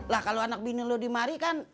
lah kalau anak bini lo dimari kan